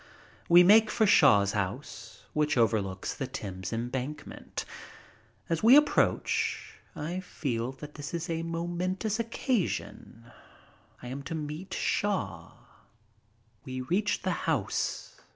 We make for Shaw's house, which overlooks the Thames Embankment. As we approach I feel that this is a momen tous occasion. I am to meet Shaw. We reach the house.